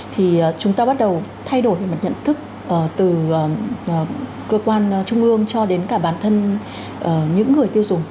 thì chúng ta bắt đầu thay đổi về mặt nhận thức từ cơ quan trung ương cho đến cả bản thân những người tiêu dùng